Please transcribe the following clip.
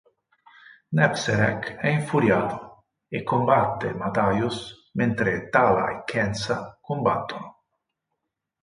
Nebserek è infuriato e combatte Mathayus mentre Tala e Khensa combattono.